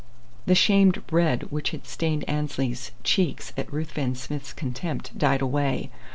The shamed red which had stained Annesley's cheeks at Ruthven Smith's contempt died away.